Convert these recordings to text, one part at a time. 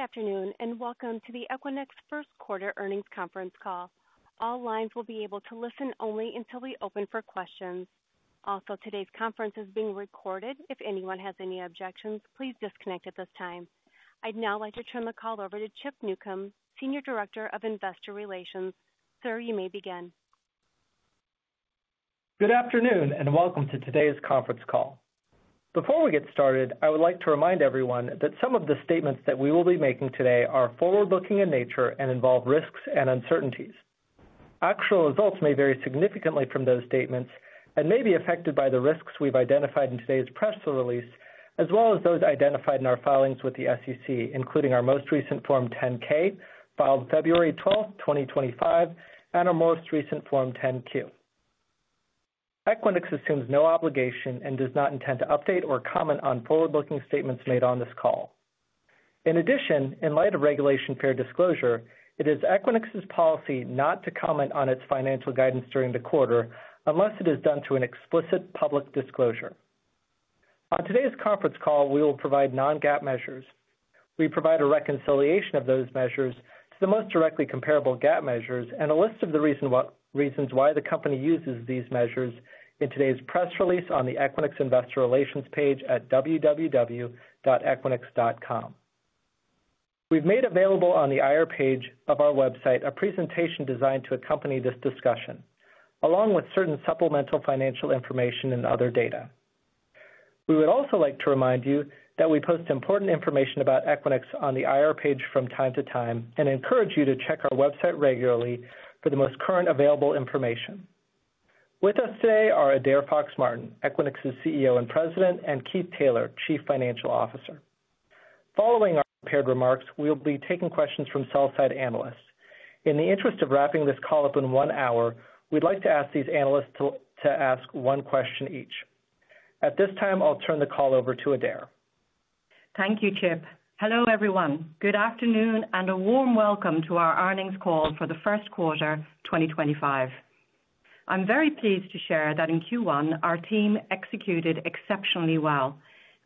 Good afternoon and welcome to the Equinix First Quarter Earnings Conference call. All lines will be able to listen only until we open for questions. Also, today's conference is being recorded. If anyone has any objections, please disconnect at this time. I'd now like to turn the call over to Chip Newcom, Senior Director of Investor Relations. Sir, you may begin. Good afternoon and welcome to today's conference call. Before we get started, I would like to remind everyone that some of the statements that we will be making today are forward-looking in nature and involve risks and uncertainties. Actual results may vary significantly from those statements and may be affected by the risks we've identified in today's press release, as well as those identified in our filings with the SEC, including our most recent Form 10-K, filed February 12, 2025, and our most recent Form 10-Q. Equinix assumes no obligation and does not intend to update or comment on forward-looking statements made on this call. In addition, in light of regulation fair disclosure, it is Equinix's policy not to comment on its financial guidance during the quarter unless it is done to an explicit public disclosure. On today's conference call, we will provide non-GAAP measures. We provide a reconciliation of those measures to the most directly comparable GAAP measures and a list of the reasons why the company uses these measures in today's press release on the Equinix Investor Relations page at www.equinix.com. We've made available on the IR page of our website a presentation designed to accompany this discussion, along with certain supplemental financial information and other data. We would also like to remind you that we post important information about Equinix on the IR page from time to time and encourage you to check our website regularly for the most current available information. With us today are Adaire Fox-Martin, Equinix's CEO and President, and Keith Taylor, Chief Financial Officer. Following our prepared remarks, we'll be taking questions from sell-side analysts. In the interest of wrapping this call up in one hour, we'd like to ask these analysts to ask one question each. At this time, I'll turn the call over to Adaire. Thank you, Chip. Hello, everyone. Good afternoon and a warm welcome to our earnings call for the first quarter 2025. I'm very pleased to share that in Q1, our team executed exceptionally well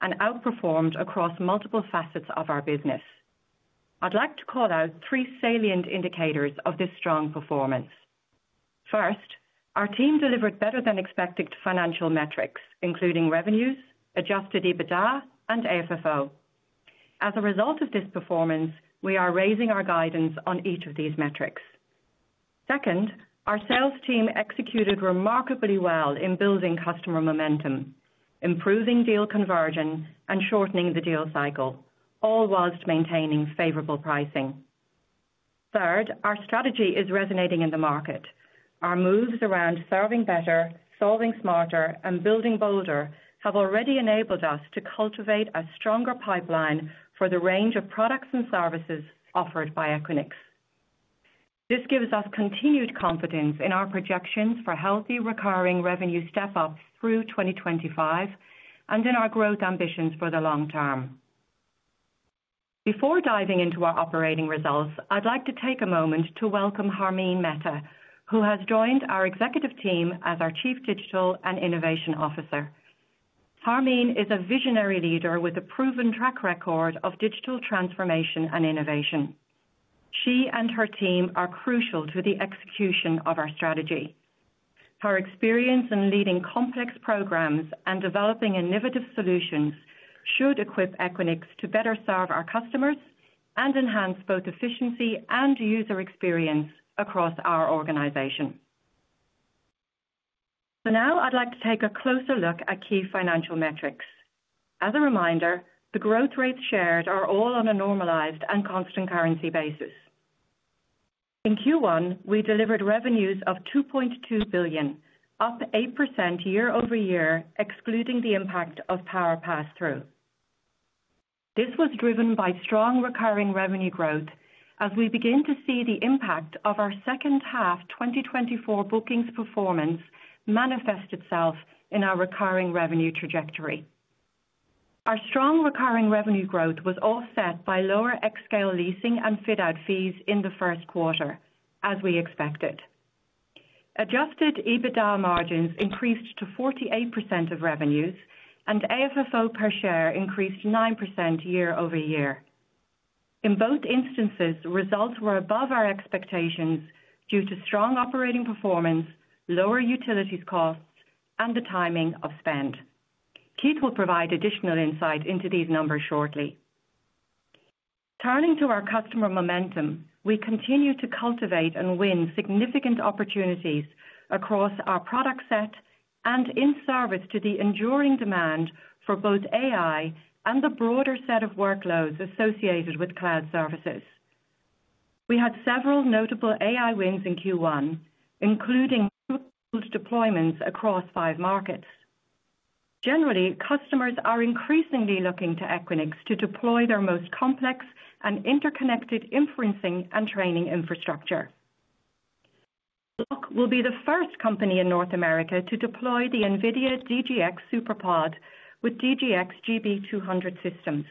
and outperformed across multiple facets of our business. I'd like to call out three salient indicators of this strong performance. First, our team delivered better-than-expected financial metrics, including revenues, adjusted EBITDA, and AFFO. As a result of this performance, we are raising our guidance on each of these metrics. Second, our sales team executed remarkably well in building customer momentum, improving deal conversion, and shortening the deal cycle, all whilst maintaining favorable pricing. Third, our strategy is resonating in the market. Our moves around serving better, solving smarter, and building bolder have already enabled us to cultivate a stronger pipeline for the range of products and services offered by Equinix. This gives us continued confidence in our projections for healthy recurring revenue step-ups through 2025 and in our growth ambitions for the long term. Before diving into our operating results, I'd like to take a moment to welcome Harmeen Mehta, who has joined our executive team as our Chief Digital and Innovation Officer. Harmeen is a visionary leader with a proven track record of digital transformation and innovation. She and her team are crucial to the execution of our strategy. Her experience in leading complex programs and developing innovative solutions should equip Equinix to better serve our customers and enhance both efficiency and user experience across our organization. I would like to take a closer look at key financial metrics. As a reminder, the growth rates shared are all on a normalized and constant currency basis. In Q1, we delivered revenues of $2.2 billion, up 8% year over year, excluding the impact of power pass-through. This was driven by strong recurring revenue growth as we begin to see the impact of our second half 2024 bookings performance manifest itself in our recurring revenue trajectory. Our strong recurring revenue growth was offset by lower Xscale leasing and fit-out fees in the first quarter, as we expected. Adjusted EBITDA margins increased to 48% of revenues, and AFFO per share increased 9% year over year. In both instances, results were above our expectations due to strong operating performance, lower utilities costs, and the timing of spend. Keith will provide additional insight into these numbers shortly. Turning to our customer momentum, we continue to cultivate and win significant opportunities across our product set and in service to the enduring demand for both AI and the broader set of workloads associated with cloud services. We had several notable AI wins in Q1, including deployments across five markets. Generally, customers are increasingly looking to Equinix to deploy their most complex and interconnected inferencing and training infrastructure. Block will be the first company in North America to deploy the NVIDIA DGX Superpod with DGX GB200 systems.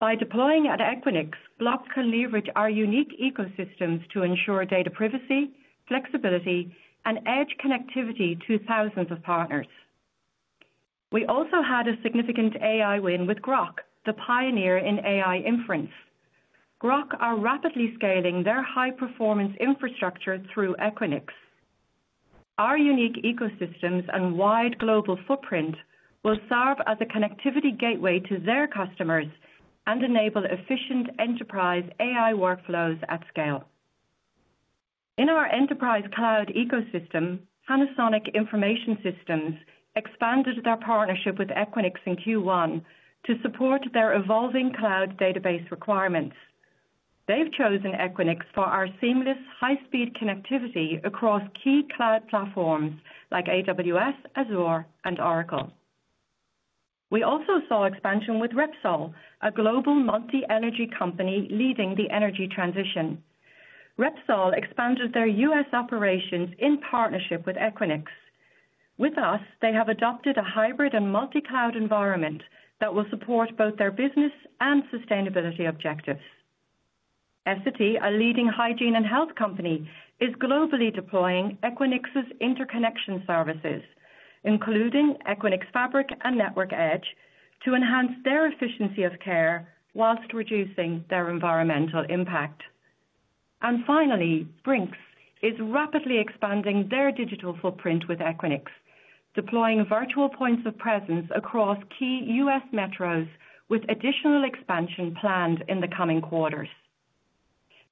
By deploying at Equinix, Block can leverage our unique ecosystems to ensure data privacy, flexibility, and edge connectivity to thousands of partners. We also had a significant AI win with Grok, the pioneer in AI inference. Grok are rapidly scaling their high-performance infrastructure through Equinix. Our unique ecosystems and wide global footprint will serve as a connectivity gateway to their customers and enable efficient enterprise AI workflows at scale. In our enterprise cloud ecosystem, Panasonic Information Systems expanded their partnership with Equinix in Q1 to support their evolving cloud database requirements. They've chosen Equinix for our seamless, high-speed connectivity across key cloud platforms like AWS, Azure, and Oracle. We also saw expansion with Repsol, a global multi-energy company leading the energy transition. Repsol expanded their US operations in partnership with Equinix. With us, they have adopted a hybrid and multi-cloud environment that will support both their business and sustainability objectives. Essity, a leading hygiene and health company, is globally deploying Equinix's interconnection services, including Equinix Fabric and Network Edge, to enhance their efficiency of care whilst reducing their environmental impact. Finally, Brinks is rapidly expanding their digital footprint with Equinix, deploying virtual points of presence across key US metros, with additional expansion planned in the coming quarters.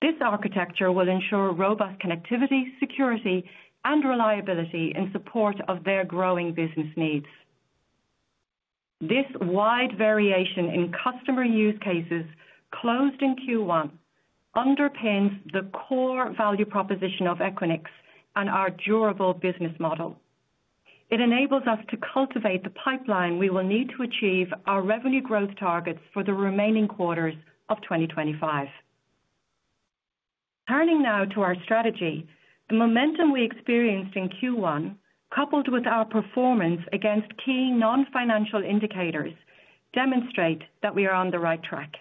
This architecture will ensure robust connectivity, security, and reliability in support of their growing business needs. This wide variation in customer use cases closed in Q1 underpins the core value proposition of Equinix and our durable business model. It enables us to cultivate the pipeline we will need to achieve our revenue growth targets for the remaining quarters of 2025. Turning now to our strategy, the momentum we experienced in Q1, coupled with our performance against key non-financial indicators, demonstrates that we are on the right track.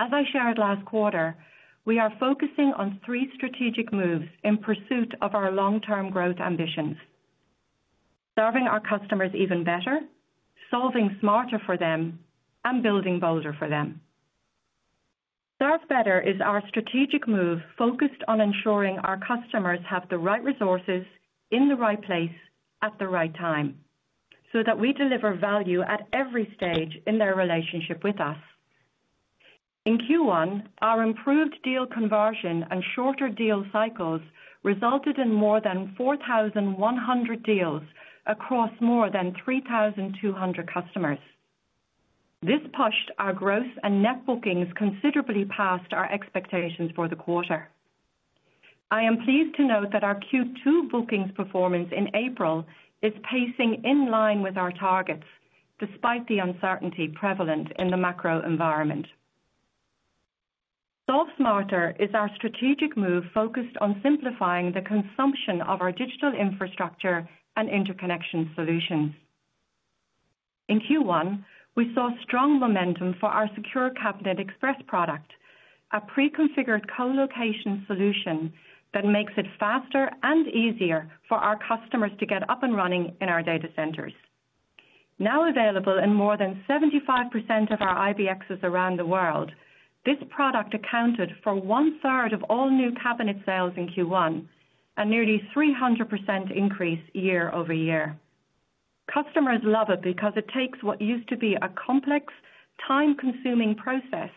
As I shared last quarter, we are focusing on three strategic moves in pursuit of our long-term growth ambitions: serving our customers even better, solving smarter for them, and building bolder for them. Serve Better is our strategic move focused on ensuring our customers have the right resources in the right place at the right time, so that we deliver value at every stage in their relationship with us. In Q1, our improved deal conversion and shorter deal cycles resulted in more than 4,100 deals across more than 3,200 customers. This pushed our gross and net bookings considerably past our expectations for the quarter. I am pleased to note that our Q2 bookings performance in April is pacing in line with our targets, despite the uncertainty prevalent in the macro environment. Solve Smarter is our strategic move focused on simplifying the consumption of our digital infrastructure and interconnection solutions. In Q1, we saw strong momentum for our Secure Cabinet Express product, a pre-configured colocation solution that makes it faster and easier for our customers to get up and running in our data centers. Now available in more than 75% of our IBXs around the world, this product accounted for one-third of all new cabinet sales in Q1, a nearly 300% increase year over year. Customers love it because it takes what used to be a complex, time-consuming process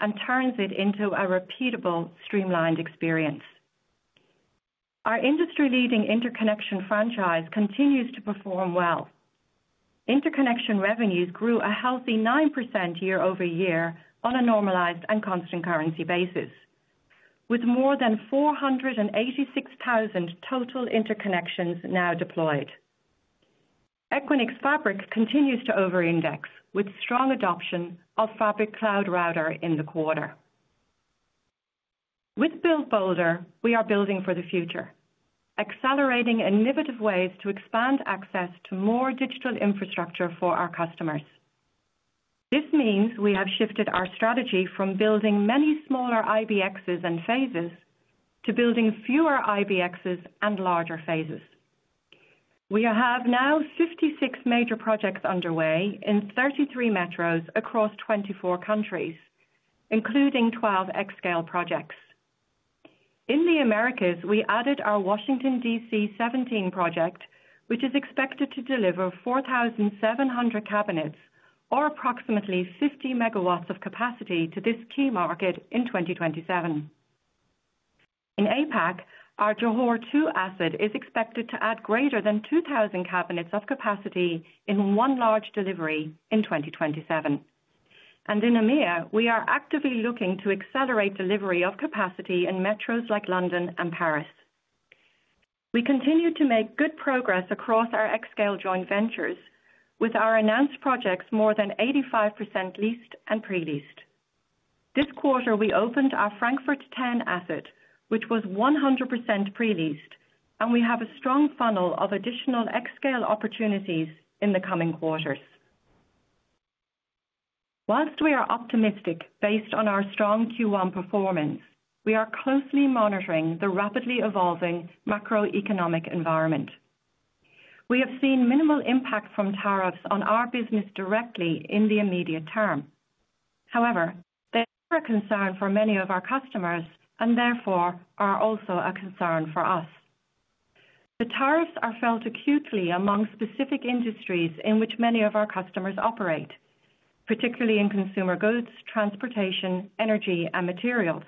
and turns it into a repeatable, streamlined experience. Our industry-leading interconnection franchise continues to perform well. Interconnection revenues grew a healthy 9% year over year on a normalized and constant currency basis, with more than 486,000 total interconnections now deployed. Equinix Fabric continues to over-index with strong adoption of Fabric Cloud Router in the quarter. With Build Bolder, we are building for the future, accelerating innovative ways to expand access to more digital infrastructure for our customers. This means we have shifted our strategy from building many smaller IBXs and phases to building fewer IBXs and larger phases. We have now 56 major projects underway in 33 metros across 24 countries, including 12 Xscale projects. In the Americas, we added our Washington, D.C. 17 project, which is expected to deliver 4,700 cabinets or approximately 50 megawatts of capacity to this key market in 2027. In APAC, our Johor 2 asset is expected to add greater than 2,000 cabinets of capacity in one large delivery in 2027. In EMEA, we are actively looking to accelerate delivery of capacity in metros like London and Paris. We continue to make good progress across our Xscale joint ventures, with our announced projects more than 85% leased and pre-leased. This quarter, we opened our Frankfurt 10 asset, which was 100% pre-leased, and we have a strong funnel of additional Xscale opportunities in the coming quarters. Whilst we are optimistic based on our strong Q1 performance, we are closely monitoring the rapidly evolving macroeconomic environment. We have seen minimal impact from tariffs on our business directly in the immediate term. However, they are a concern for many of our customers and therefore are also a concern for us. The tariffs are felt acutely among specific industries in which many of our customers operate, particularly in consumer goods, transportation, energy, and materials.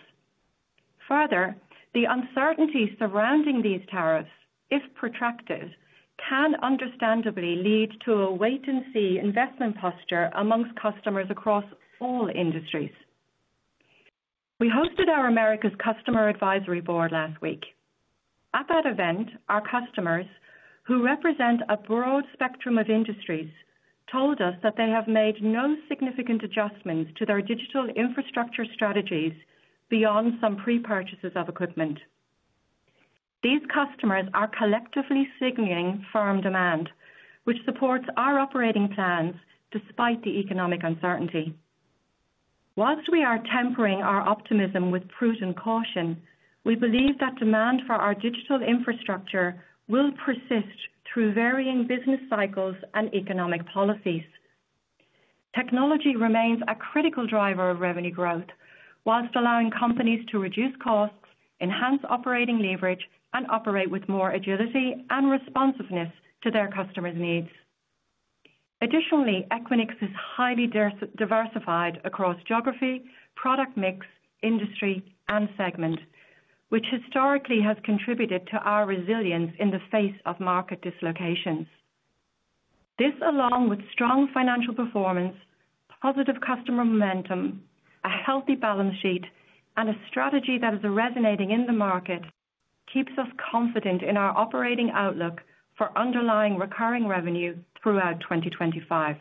Further, the uncertainty surrounding these tariffs, if protracted, can understandably lead to a wait-and-see investment posture amongst customers across all industries. We hosted our America's Customer Advisory Board last week. At that event, our customers, who represent a broad spectrum of industries, told us that they have made no significant adjustments to their digital infrastructure strategies beyond some pre-purchases of equipment. These customers are collectively signaling firm demand, which supports our operating plans despite the economic uncertainty. Whilst we are tempering our optimism with prudent caution, we believe that demand for our digital infrastructure will persist through varying business cycles and economic policies. Technology remains a critical driver of revenue growth, whilst allowing companies to reduce costs, enhance operating leverage, and operate with more agility and responsiveness to their customers' needs. Additionally, Equinix is highly diversified across geography, product mix, industry, and segment, which historically has contributed to our resilience in the face of market dislocations. This, along with strong financial performance, positive customer momentum, a healthy balance sheet, and a strategy that is resonating in the market, keeps us confident in our operating outlook for underlying recurring revenue throughout 2025.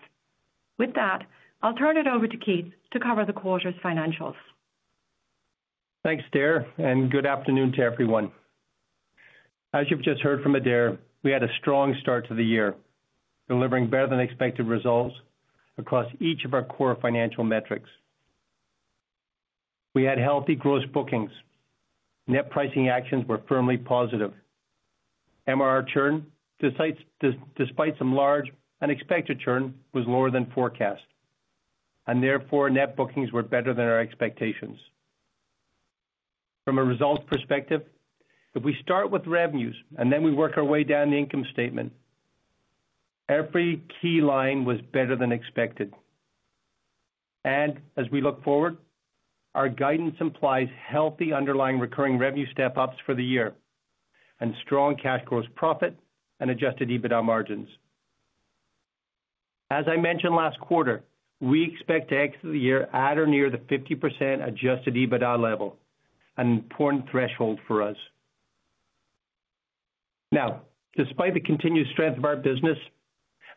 With that, I'll turn it over to Keith to cover the quarter's financials. Thanks, Adaire, and good afternoon to everyone. As you've just heard from Adaire, we had a strong start to the year, delivering better-than-expected results across each of our core financial metrics. We had healthy gross bookings. Net pricing actions were firmly positive. MRR churn, despite some large unexpected churn, was lower than forecast, and therefore net bookings were better than our expectations. From a results perspective, if we start with revenues and then we work our way down the income statement, every key line was better than expected. As we look forward, our guidance implies healthy underlying recurring revenue step-ups for the year and strong cash growth profit and adjusted EBITDA margins. As I mentioned last quarter, we expect to exit the year at or near the 50% adjusted EBITDA level, an important threshold for us. Now, despite the continued strength of our business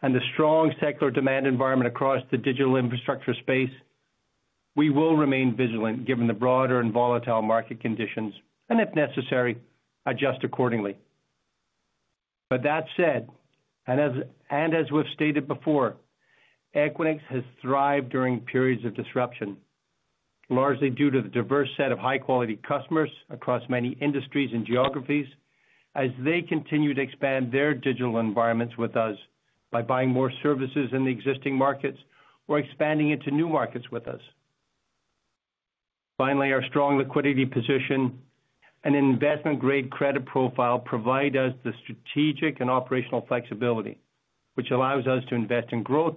and the strong secular demand environment across the digital infrastructure space, we will remain vigilant given the broader and volatile market conditions and, if necessary, adjust accordingly. That said, and as we've stated before, Equinix has thrived during periods of disruption, largely due to the diverse set of high-quality customers across many industries and geographies, as they continue to expand their digital environments with us by buying more services in the existing markets or expanding into new markets with us. Finally, our strong liquidity position and investment-grade credit profile provide us the strategic and operational flexibility, which allows us to invest in growth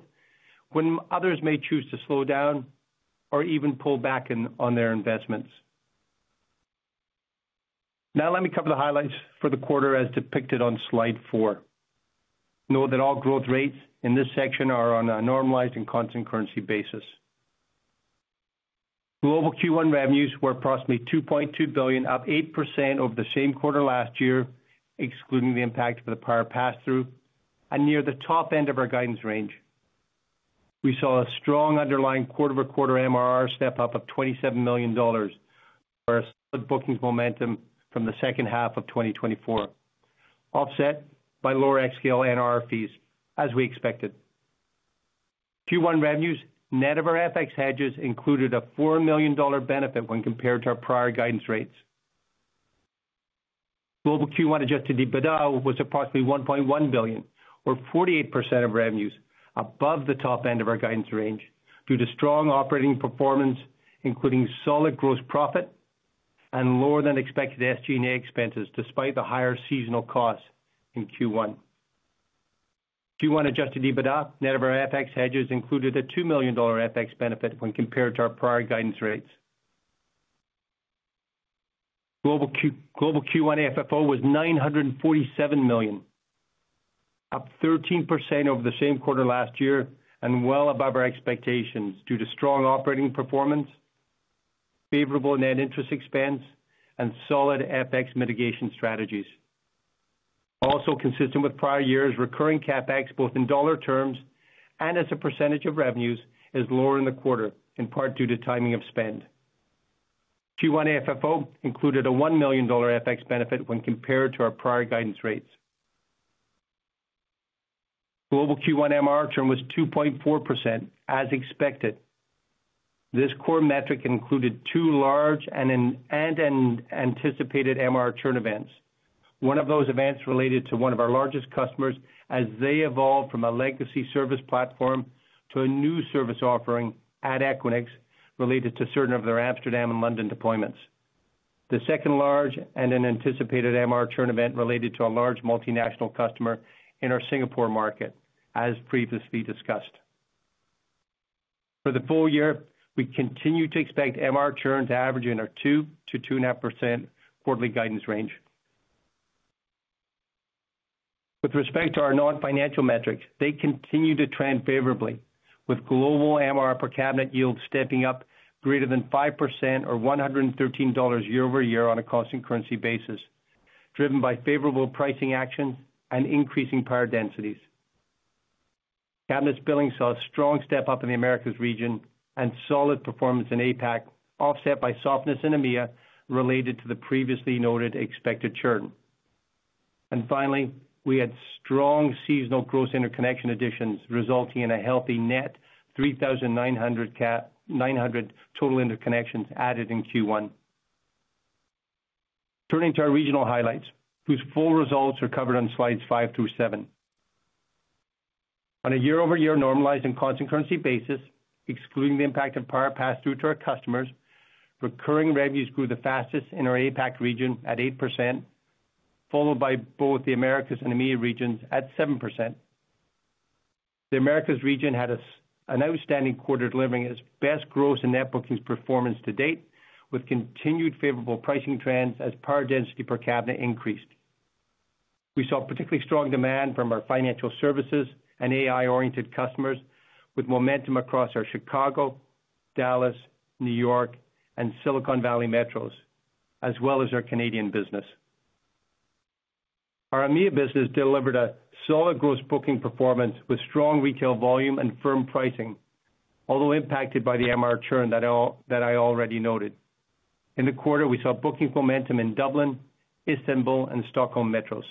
when others may choose to slow down or even pull back on their investments. Now, let me cover the highlights for the quarter as depicted on slide four. Note that all growth rates in this section are on a normalized and constant currency basis. Global Q1 revenues were approximately $2.2 billion, up 8% over the same quarter last year, excluding the impact of the prior pass-through, and near the top end of our guidance range. We saw a strong underlying quarter-over-quarter MRR step-up of $27 million for our solid bookings momentum from the second half of 2024, offset by lower Xscale and RR fees, as we expected. Q1 revenues, net of our FX hedges, included a $4 million benefit when compared to our prior guidance rates. Global Q1 adjusted EBITDA was approximately $1.1 billion, or 48% of revenues, above the top end of our guidance range due to strong operating performance, including solid gross profit and lower-than-expected SG&A expenses, despite the higher seasonal costs in Q1. Q1 adjusted EBITDA, net of our FX hedges, included a $2 million FX benefit when compared to our prior guidance rates. Global Q1 FFO was $947 million, up 13% over the same quarter last year and well above our expectations due to strong operating performance, favorable net interest expense, and solid FX mitigation strategies. Also, consistent with prior years, recurring CapEx, both in dollar terms and as a percentage of revenues, is lower in the quarter, in part due to timing of spend. Q1 FFO included a $1 million FX benefit when compared to our prior guidance rates. Global Q1 MRR churn was 2.4%, as expected. This core metric included two large and anticipated MRR churn events. One of those events related to one of our largest customers as they evolved from a legacy service platform to a new service offering at Equinix related to certain of their Amsterdam and London deployments. The second large and an anticipated MRR churn event related to a large multinational customer in our Singapore market, as previously discussed. For the full year, we continue to expect MRR churn to average in our 2%-2.5% quarterly guidance range. With respect to our non-financial metrics, they continue to trend favorably, with global MRR per cabinet yield stepping up greater than 5%, or $113 year over year on a cost and currency basis, driven by favorable pricing actions and increasing power densities. Cabinets billing saw a strong step-up in the Americas region and solid performance in APAC, offset by softness in EMEA related to the previously noted expected churn. We had strong seasonal gross interconnection additions, resulting in a healthy net 3,900 total interconnections added in Q1. Turning to our regional highlights, whose full results are covered on slides five through seven. On a year-over-year normalized and constant currency basis, excluding the impact of prior pass-through to our customers, recurring revenues grew the fastest in our APAC region at 8%, followed by both the Americas and EMEA regions at 7%. The Americas region had an outstanding quarter delivering its best gross and net bookings performance to date, with continued favorable pricing trends as power density per cabinet increased. We saw particularly strong demand from our financial services and AI-oriented customers, with momentum across our Chicago, Dallas, New York, and Silicon Valley metros, as well as our Canadian business. Our EMEA business delivered a solid gross booking performance with strong retail volume and firm pricing, although impacted by the MRR churn that I already noted. In the quarter, we saw booking momentum in Dublin, Istanbul, and Stockholm metros.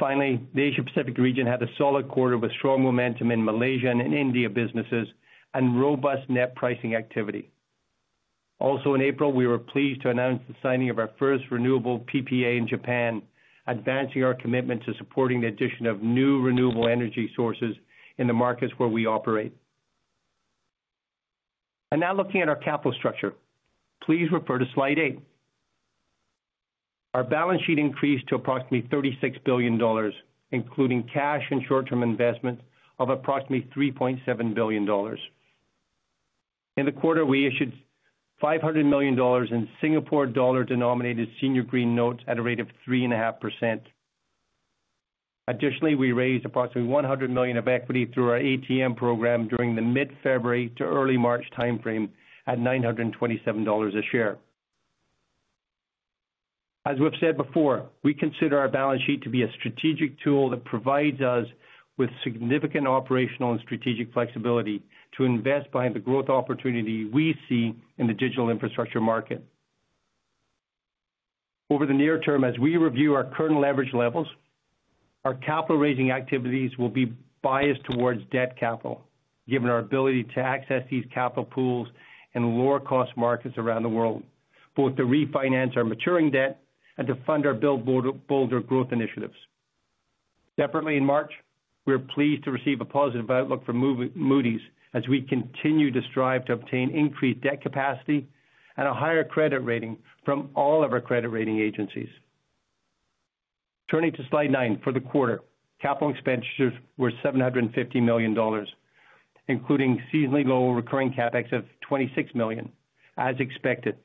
Finally, the Asia-Pacific region had a solid quarter with strong momentum in Malaysian and India businesses and robust net pricing activity. Also, in April, we were pleased to announce the signing of our first renewable PPA in Japan, advancing our commitment to supporting the addition of new renewable energy sources in the markets where we operate. Now, looking at our capital structure, please refer to slide eight. Our balance sheet increased to approximately $36 billion, including cash and short-term investment of approximately $3.7 billion. In the quarter, we issued 500 million dollars in Singapore dollar-denominated senior green notes at a rate of 3.5%. Additionally, we raised approximately $100 million of equity through our ATM program during the mid-February to early March timeframe at $927 a share. As we've said before, we consider our balance sheet to be a strategic tool that provides us with significant operational and strategic flexibility to invest behind the growth opportunity we see in the digital infrastructure market. Over the near term, as we review our current leverage levels, our capital-raising activities will be biased towards debt capital, given our ability to access these capital pools in lower-cost markets around the world, both to refinance our maturing debt and to fund our build-bolder growth initiatives. Separately, in March, we're pleased to receive a positive outlook from Moody's as we continue to strive to obtain increased debt capacity and a higher credit rating from all of our credit rating agencies. Turning to slide nine for the quarter, capital expenditures were $750 million, including seasonally low recurring CapEx of $26 million, as expected.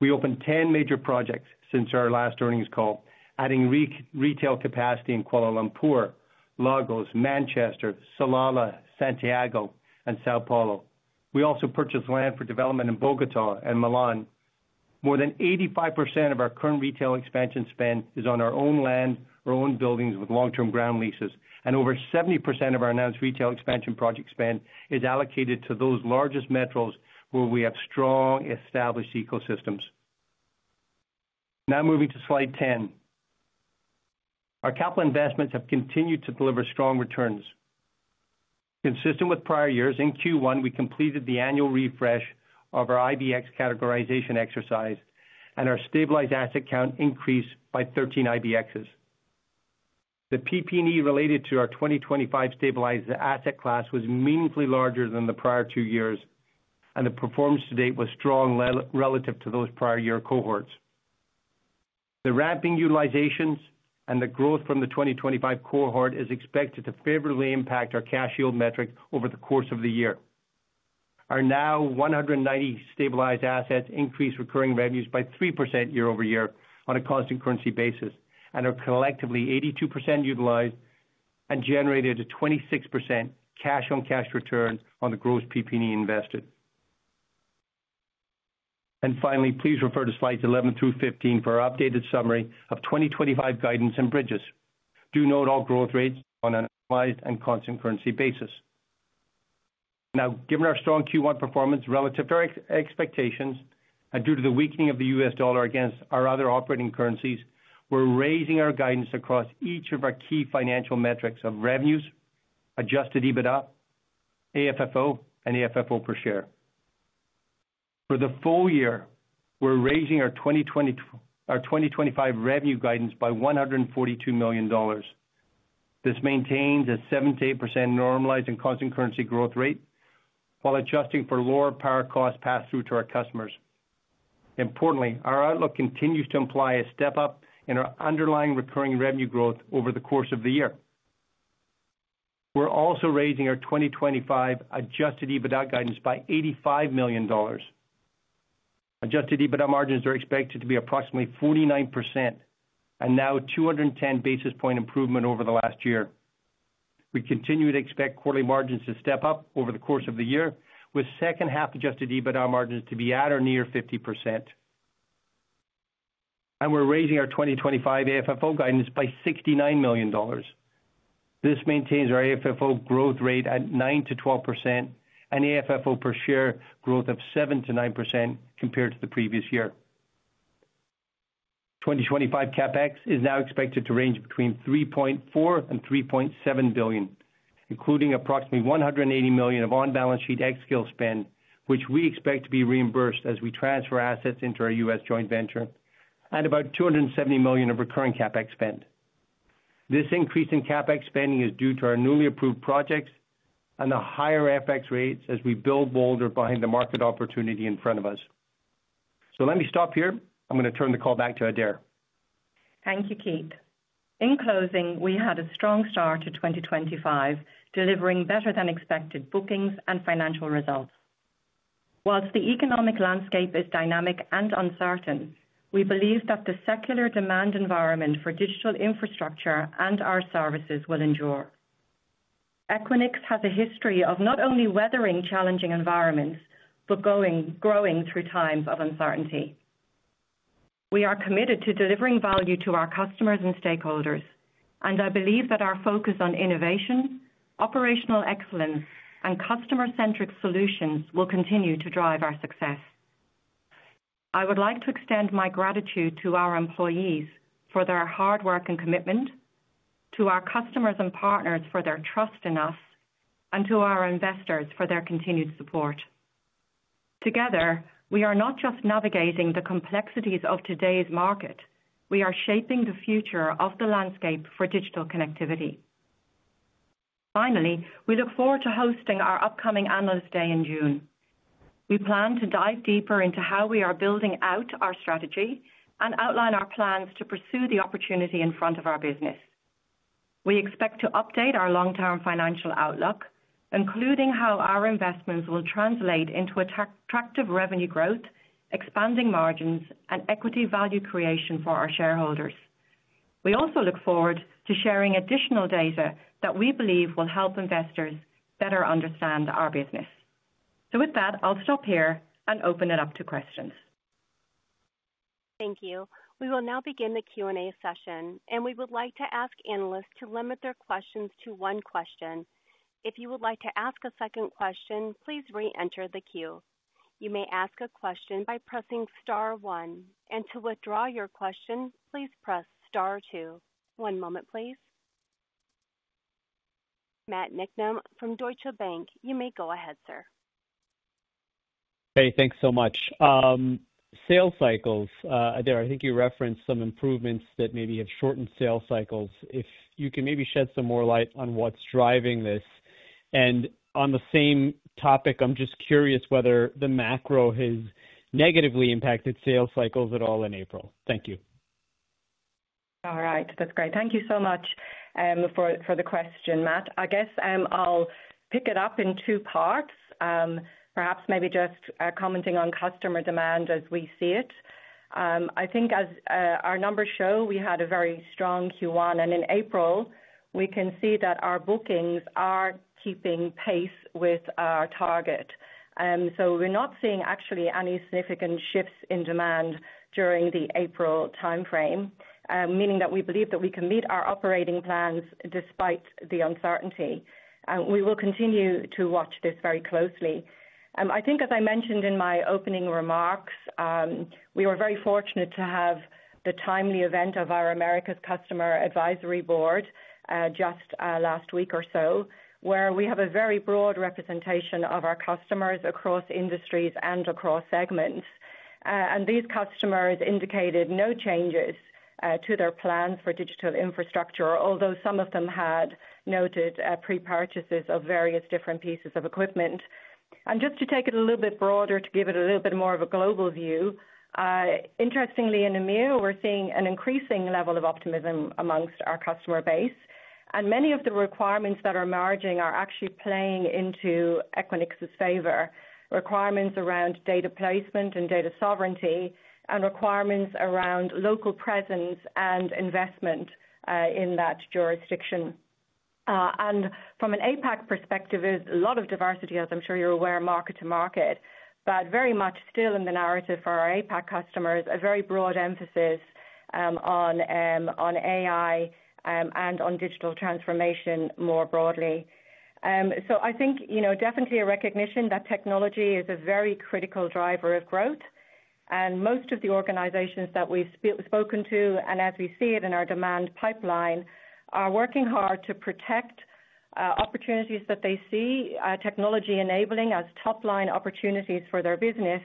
We opened 10 major projects since our last earnings call, adding retail capacity in Kuala Lumpur, Lagos, Manchester, Salalah, Santiago, and São Paulo. We also purchased land for development in Bogota and Milan. More than 85% of our current retail expansion spend is on our own land, our own buildings with long-term ground leases, and over 70% of our announced retail expansion project spend is allocated to those largest metros where we have strong established ecosystems. Now, moving to slide ten, our capital investments have continued to deliver strong returns. Consistent with prior years, in Q1, we completed the annual refresh of our IBX categorization exercise, and our stabilized asset count increased by 13 IBXs. The PP&E related to our 2025 stabilized asset class was meaningfully larger than the prior two years, and the performance to date was strong relative to those prior year cohorts. The ramping utilizations and the growth from the 2025 cohort is expected to favorably impact our cash yield metric over the course of the year. Our now 190 stabilized assets increased recurring revenues by 3% year over year on a constant currency basis, and are collectively 82% utilized and generated a 26% cash-on-cash return on the gross PP&E invested. Finally, please refer to slides 11 through 15 for our updated summary of 2025 guidance and bridges. Do note all growth rates on an analyzed and constant currency basis. Now, given our strong Q1 performance relative to our expectations and due to the weakening of the US dollar against our other operating currencies, we're raising our guidance across each of our key financial metrics of revenues, adjusted EBITDA, AFFO, and AFFO per share. For the full year, we're raising our 2025 revenue guidance by $142 million. This maintains a 7-8% normalized and constant currency growth rate while adjusting for lower power cost pass-through to our customers. Importantly, our outlook continues to imply a step-up in our underlying recurring revenue growth over the course of the year. We're also raising our 2025 adjusted EBITDA guidance by $85 million. Adjusted EBITDA margins are expected to be approximately 49%, and now 210 basis point improvement over the last year. We continue to expect quarterly margins to step up over the course of the year, with second-half adjusted EBITDA margins to be at or near 50%. We are raising our 2025 AFFO guidance by $69 million. This maintains our AFFO growth rate at 9-12% and AFFO per share growth of 7-9% compared to the previous year. 2025 CapEx is now expected to range between $3.4 billion-$3.7 billion, including approximately $180 million of on-balance sheet xScale spend, which we expect to be reimbursed as we transfer assets into our US joint venture, and about $270 million of recurring CapEx spend. This increase in CapEx spending is due to our newly approved projects and the higher FX rates as we build bolder behind the market opportunity in front of us. Let me stop here. I am going to turn the call back to Adaire. Thank you, Keith. In closing, we had a strong start to 2025, delivering better-than-expected bookings and financial results. Whilst the economic landscape is dynamic and uncertain, we believe that the secular demand environment for digital infrastructure and our services will endure. Equinix has a history of not only weathering challenging environments, but growing through times of uncertainty. We are committed to delivering value to our customers and stakeholders, and I believe that our focus on innovation, operational excellence, and customer-centric solutions will continue to drive our success. I would like to extend my gratitude to our employees for their hard work and commitment, to our customers and partners for their trust in us, and to our investors for their continued support. Together, we are not just navigating the complexities of today's market. We are shaping the future of the landscape for digital connectivity. Finally, we look forward to hosting our upcoming Analyst Day in June. We plan to dive deeper into how we are building out our strategy and outline our plans to pursue the opportunity in front of our business. We expect to update our long-term financial outlook, including how our investments will translate into attractive revenue growth, expanding margins, and equity value creation for our shareholders. We also look forward to sharing additional data that we believe will help investors better understand our business. With that, I'll stop here and open it up to questions. Thank you. We will now begin the Q&A session, and we would like to ask analysts to limit their questions to one question. If you would like to ask a second question, please re-enter the queue. You may ask a question by pressing Star One, and to withdraw your question, please press Star Two. One moment, please. Matt Nicknow from Deutsche Bank, you may go ahead, sir. Hey, thanks so much. Sales cycles, Adaire, I think you referenced some improvements that maybe have shortened sales cycles. If you can maybe shed some more light on what's driving this. On the same topic, I'm just curious whether the macro has negatively impacted sales cycles at all in April. Thank you. All right, that's great. Thank you so much for the question, Matt. I guess I'll pick it up in two parts, perhaps maybe just commenting on customer demand as we see it. I think as our numbers show, we had a very strong Q1, and in April, we can see that our bookings are keeping pace with our target. We're not seeing actually any significant shifts in demand during the April timeframe, meaning that we believe that we can meet our operating plans despite the uncertainty. We will continue to watch this very closely. I think, as I mentioned in my opening remarks, we were very fortunate to have the timely event of our America's Customer Advisory Board just last week or so, where we have a very broad representation of our customers across industries and across segments. These customers indicated no changes to their plans for digital infrastructure, although some of them had noted pre-purchases of various different pieces of equipment. Just to take it a little bit broader, to give it a little bit more of a global view, interestingly, in EMEA, we're seeing an increasing level of optimism amongst our customer base. Many of the requirements that are emerging are actually playing into Equinix's favor: requirements around data placement and data sovereignty, and requirements around local presence and investment in that jurisdiction. From an APAC perspective, there is a lot of diversity, as I'm sure you're aware, market to market, but very much still in the narrative for our APAC customers, a very broad emphasis on AI and on digital transformation more broadly. I think definitely a recognition that technology is a very critical driver of growth. Most of the organizations that we've spoken to, and as we see it in our demand pipeline, are working hard to protect opportunities that they see technology enabling as top-line opportunities for their business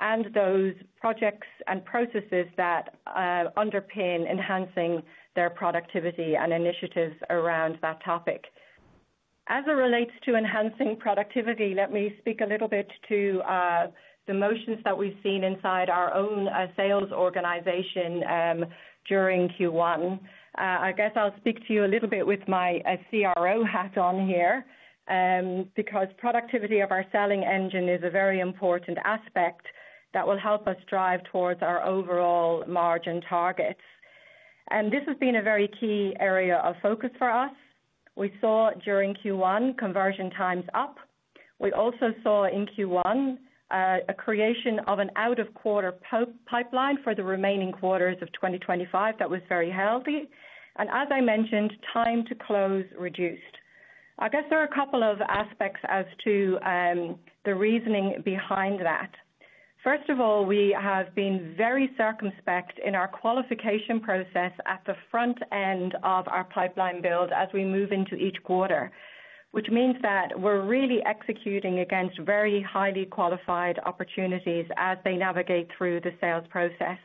and those projects and processes that underpin enhancing their productivity and initiatives around that topic. As it relates to enhancing productivity, let me speak a little bit to the motions that we've seen inside our own sales organization during Q1. I guess I'll speak to you a little bit with my CRO hat on here, because productivity of our selling engine is a very important aspect that will help us drive towards our overall margin targets. This has been a very key area of focus for us. We saw during Q1 conversion times up. We also saw in Q1 a creation of an out-of-quarter pipeline for the remaining quarters of 2025 that was very healthy. As I mentioned, time to close reduced. I guess there are a couple of aspects as to the reasoning behind that. First of all, we have been very circumspect in our qualification process at the front end of our pipeline build as we move into each quarter, which means that we're really executing against very highly qualified opportunities as they navigate through the sales process.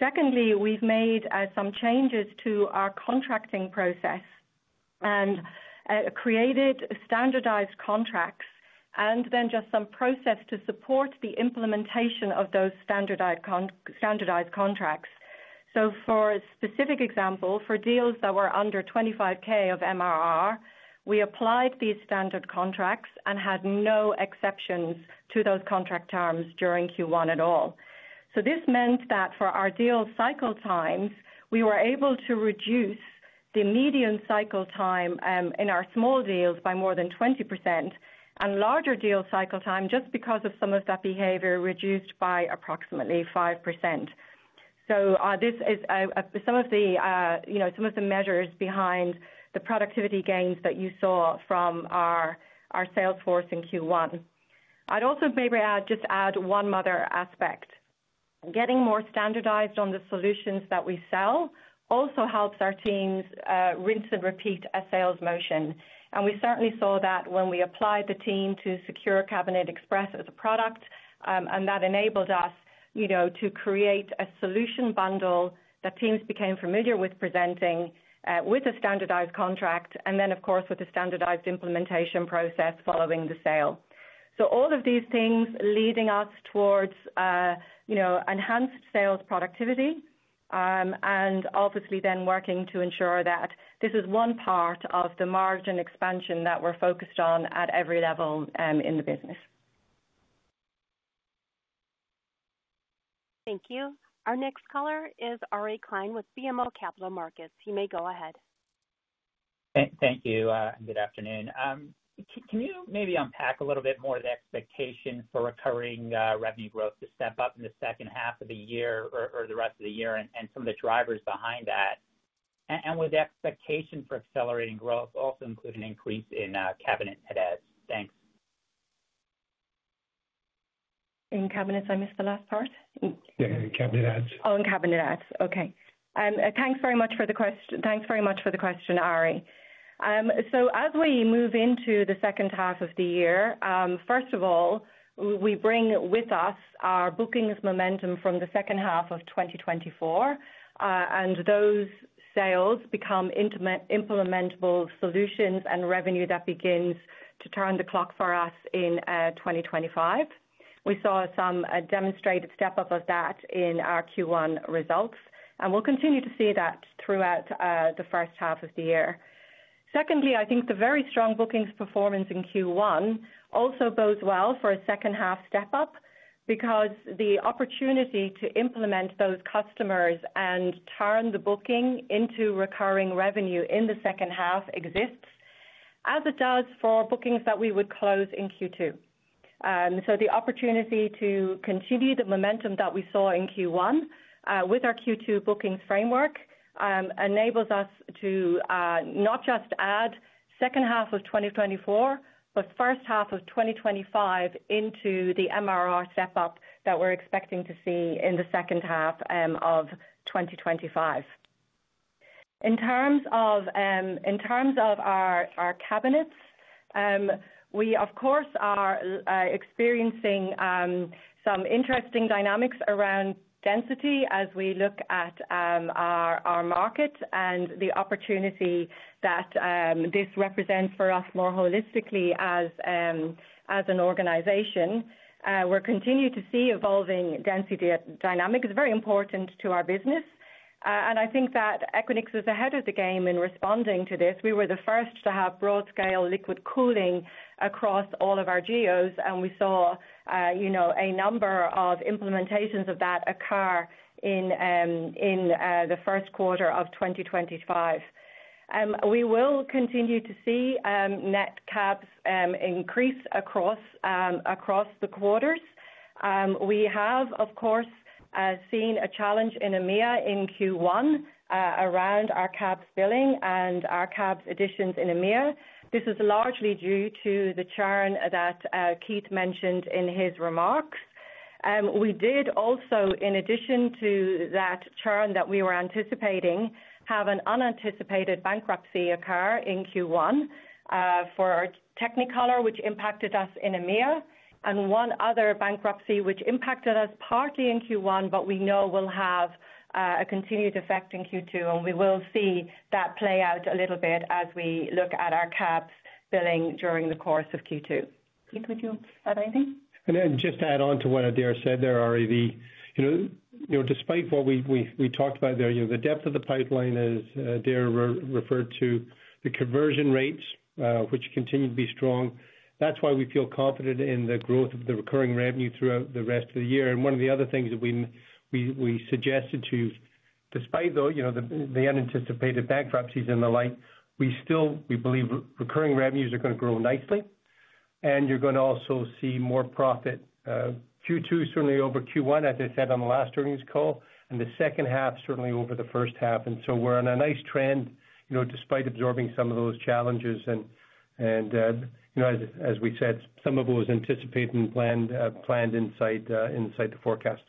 Secondly, we've made some changes to our contracting process and created standardized contracts and then just some process to support the implementation of those standardized contracts. For a specific example, for deals that were under $25,000 of MRR, we applied these standard contracts and had no exceptions to those contract terms during Q1 at all. This meant that for our deal cycle times, we were able to reduce the median cycle time in our small deals by more than 20% and larger deal cycle time just because of some of that behavior reduced by approximately 5%. This is some of the measures behind the productivity gains that you saw from our sales force in Q1. I'd also maybe just add one other aspect. Getting more standardized on the solutions that we sell also helps our teams rinse and repeat a sales motion. We certainly saw that when we applied the team to Secure Cabinet Express as a product, and that enabled us to create a solution bundle that teams became familiar with presenting with a standardized contract and then, of course, with a standardized implementation process following the sale. All of these things leading us towards enhanced sales productivity and obviously then working to ensure that this is one part of the margin expansion that we're focused on at every level in the business. Thank you. Our next caller is Ari Kline with BMO Capital Markets. You may go ahead. Thank you and good afternoon. Can you maybe unpack a little bit more of the expectation for recurring revenue growth to step up in the second half of the year or the rest of the year and some of the drivers behind that? Would the expectation for accelerating growth also include an increase in Cabinet ads? Thanks. In Cabinet? I missed the last part. In Cabinet ads. Oh, in Cabinet ads. Okay. Thanks very much for the question. Thanks very much for the question, Ari. As we move into the second half of the year, first of all, we bring with us our bookings momentum from the second half of 2024, and those sales become implementable solutions and revenue that begins to turn the clock for us in 2025. We saw some demonstrated step-up of that in our Q1 results, and we'll continue to see that throughout the first half of the year. Secondly, I think the very strong bookings performance in Q1 also bodes well for a second-half step-up because the opportunity to implement those customers and turn the booking into recurring revenue in the second half exists as it does for bookings that we would close in Q2. The opportunity to continue the momentum that we saw in Q1 with our Q2 bookings framework enables us to not just add second half of 2024, but first half of 2025 into the MRR step-up that we're expecting to see in the second half of 2025. In terms of our cabinets, we, of course, are experiencing some interesting dynamics around density as we look at our market and the opportunity that this represents for us more holistically as an organization. We're continuing to see evolving density dynamics. It's very important to our business. I think that Equinix is ahead of the game in responding to this. We were the first to have broad-scale liquid cooling across all of our GOs, and we saw a number of implementations of that occur in the first quarter of 2025. We will continue to see net cabs increase across the quarters. We have, of course, seen a challenge in EMEA in Q1 around our cabs billing and our cabs additions in EMEA. This is largely due to the churn that Keith mentioned in his remarks. We did also, in addition to that churn that we were anticipating, have an unanticipated bankruptcy occur in Q1 for Technicolor, which impacted us in EMEA, and one other bankruptcy which impacted us partly in Q1, but we know will have a continued effect in Q2, and we will see that play out a little bit as we look at our cabs billing during the course of Q2. Keith, would you add anything? Just to add on to what Adaire said there, Ari, despite what we talked about there, the depth of the pipeline is, as Adaire referred to, the conversion rates, which continue to be strong. That is why we feel confident in the growth of the recurring revenue throughout the rest of the year. One of the other things that we suggested too, despite the unanticipated bankruptcies and the like, we still believe recurring revenues are going to grow nicely, and you're going to also see more profit Q2, certainly over Q1, as I said on the last earnings call, and the second half certainly over the first half. We are on a nice trend despite absorbing some of those challenges and, as we said, some of those anticipated and planned inside the forecast.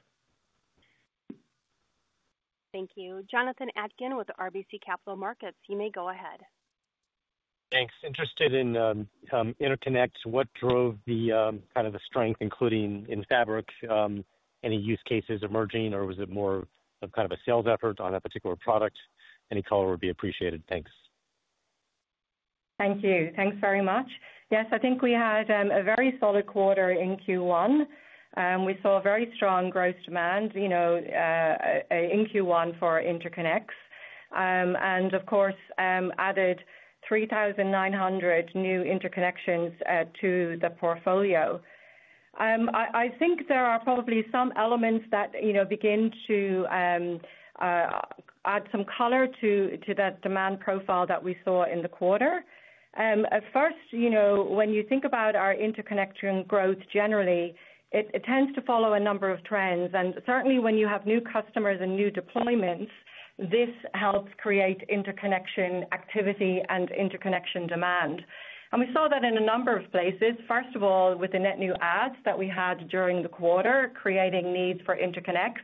Thank you. Jonathan Adkin with RBC Capital Markets, you may go ahead. Thanks. Interested in interconnects. What drove the kind of the strength, including in Fabric, any use cases emerging, or was it more of kind of a sales effort on a particular product? Any color would be appreciated. Thanks. Thank you. Thanks very much. Yes, I think we had a very solid quarter in Q1. We saw a very strong gross demand in Q1 for interconnects and, of course, added 3,900 new interconnections to the portfolio. I think there are probably some elements that begin to add some color to that demand profile that we saw in the quarter. First, when you think about our interconnection growth generally, it tends to follow a number of trends. Certainly, when you have new customers and new deployments, this helps create interconnection activity and interconnection demand. We saw that in a number of places. First of all, with the net new ads that we had during the quarter, creating needs for interconnects.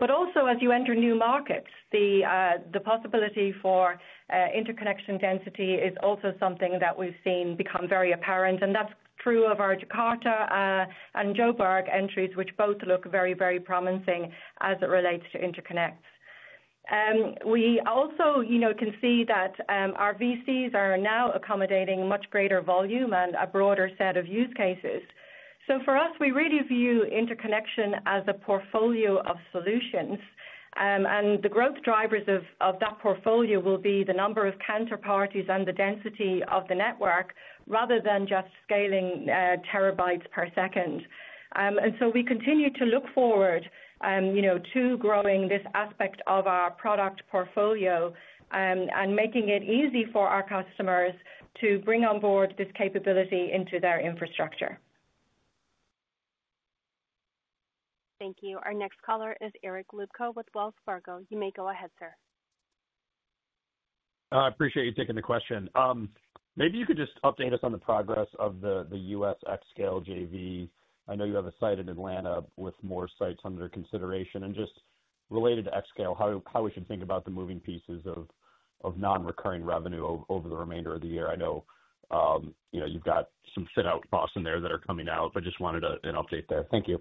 Also, as you enter new markets, the possibility for interconnection density is also something that we've seen become very apparent. That is true of our Jakarta and Jo'burg entries, which both look very, very promising as it relates to interconnects. We also can see that our VCs are now accommodating much greater volume and a broader set of use cases. For us, we really view interconnection as a portfolio of solutions. The growth drivers of that portfolio will be the number of counterparties and the density of the network rather than just scaling terabytes per second. We continue to look forward to growing this aspect of our product portfolio and making it easy for our customers to bring on board this capability into their infrastructure. Thank you. Our next caller is Eric Lupco with Wells Fargo. You may go ahead, sir. I appreciate you taking the question. Maybe you could just update us on the progress of the US Xscale JV. I know you have a site in Atlanta with more sites under consideration. Just related to Xscale, how we should think about the moving pieces of non-recurring revenue over the remainder of the year. I know you've got some fit-out costs in there that are coming out, but just wanted an update there. Thank you.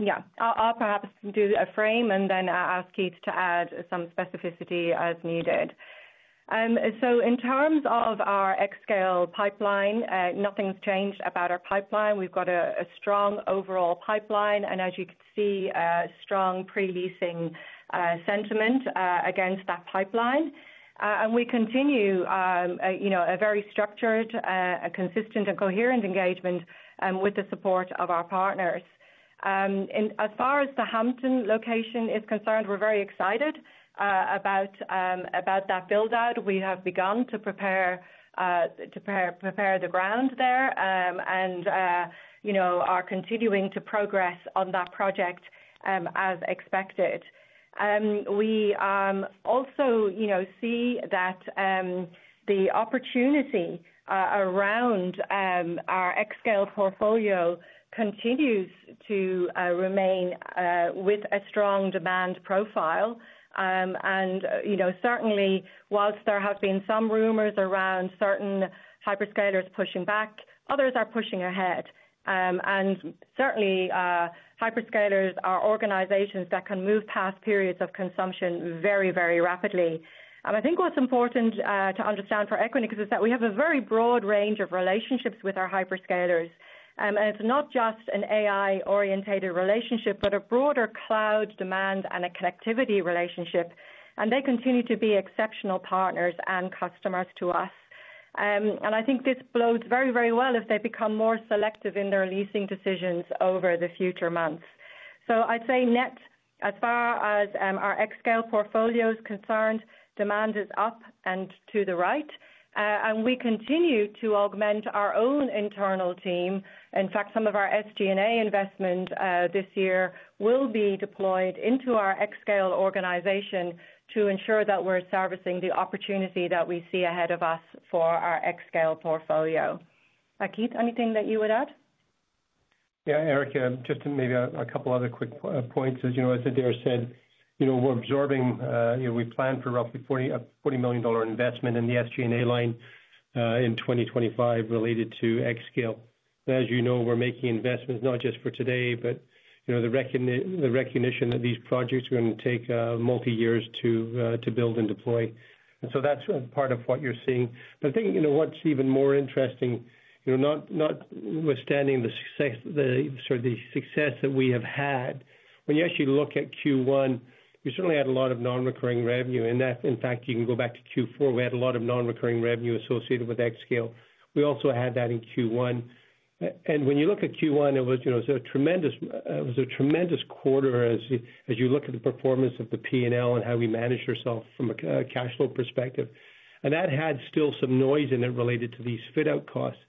Yeah. I'll perhaps do a frame and then ask Keith to add some specificity as needed. In terms of our Xscale pipeline, nothing's changed about our pipeline. We've got a strong overall pipeline and, as you can see, strong pre-leasing sentiment against that pipeline. We continue a very structured, consistent, and coherent engagement with the support of our partners. As far as the Hampton location is concerned, we're very excited about that build-out. We have begun to prepare the ground there and are continuing to progress on that project as expected. We also see that the opportunity around our Xscale portfolio continues to remain with a strong demand profile. Whilst there have been some rumors around certain hyperscalers pushing back, others are pushing ahead. Hyperscalers are organizations that can move past periods of consumption very, very rapidly. I think what's important to understand for Equinix is that we have a very broad range of relationships with our hyperscalers. It's not just an AI-orientated relationship, but a broader cloud demand and a connectivity relationship. They continue to be exceptional partners and customers to us. I think this bodes very, very well if they become more selective in their leasing decisions over the future months. I'd say net, as far as our Xscale portfolio is concerned, demand is up and to the right. We continue to augment our own internal team. In fact, some of our SG&A investment this year will be deployed into our Xscale organization to ensure that we're servicing the opportunity that we see ahead of us for our Xscale portfolio. Keith, anything that you would add? Yeah, Eric, just maybe a couple of other quick points. As Adaire said, we're absorbing, we plan for roughly a $40 million investment in the SG&A line in 2025 related to Xscale. As you know, we're making investments not just for today, but the recognition that these projects are going to take multi-years to build and deploy. That is part of what you're seeing. I think what's even more interesting, notwithstanding the success that we have had, when you actually look at Q1, we certainly had a lot of non-recurring revenue. In fact, you can go back to Q4, we had a lot of non-recurring revenue associated with Xscale. We also had that in Q1. When you look at Q1, it was a tremendous quarter as you look at the performance of the P&L and how we managed ourselves from a cash flow perspective. That had still some noise in it related to these fit-out costs.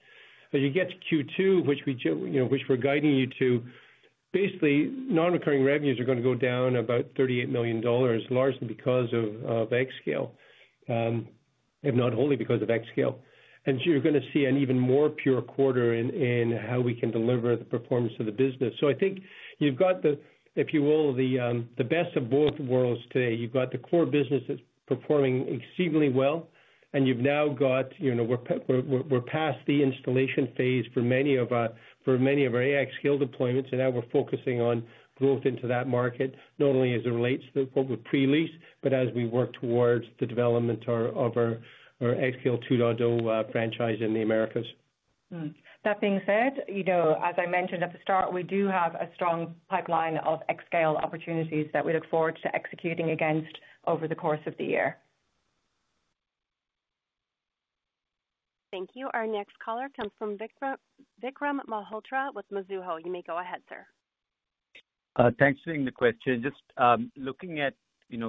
As you get to Q2, which we're guiding you to, basically, non-recurring revenues are going to go down about $38 million, largely because of Xscale, if not wholly because of Xscale. You're going to see an even more pure quarter in how we can deliver the performance of the business. I think you've got, if you will, the best of both worlds today. You've got the core businesses performing exceedingly well, and you've now got we're past the installation phase for many of our AI Xscale deployments, and now we're focusing on growth into that market, not only as it relates to what we pre-lease, but as we work towards the development of our Xscale 2.0 franchise in the Americas. That being said, as I mentioned at the start, we do have a strong pipeline of Xscale opportunities that we look forward to executing against over the course of the year. Thank you. Our next caller comes from Vikram Malhotra with Mizuho. You may go ahead, sir. Thanks for the question. Just looking at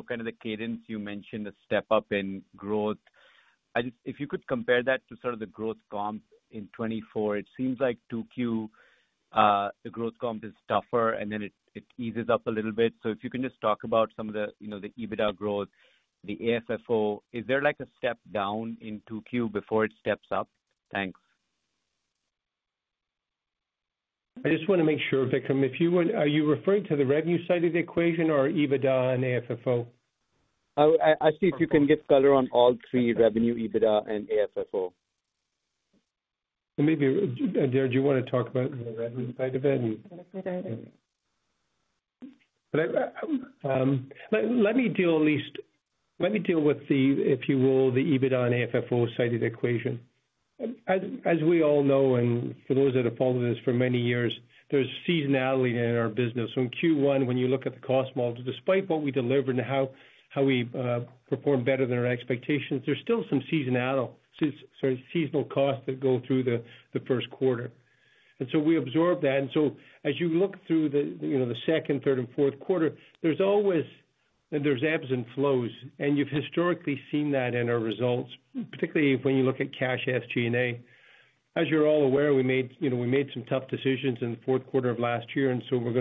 kind of the cadence you mentioned, the step-up in growth, if you could compare that to sort of the growth comp in 2024, it seems like 2Q, the growth comp is tougher, and then it eases up a little bit. If you can just talk about some of the EBITDA growth, the AFFO, is there like a step down in 2Q before it steps up? Thanks. I just want to make sure, Vikram, are you referring to the revenue side of the equation or EBITDA and AFFO? I see if you can give color on all three, revenue, EBITDA and AFFO. Maybe, Adaire, do you want to talk about the revenue side of it? Let me deal, at least let me deal with the, if you will, the EBITDA and AFFO side of the equation. As we all know, and for those that have followed us for many years, there is seasonality in our business. In Q1, when you look at the cost model, despite what we delivered and how we performed better than our expectations, there are still some seasonal costs that go through the first quarter. We absorb that. As you look through the second, third, and fourth quarter, there are absent flows. You have historically seen that in our results, particularly when you look at cash SG&A. As you are all aware, we made some tough decisions in the fourth quarter of last year, and we are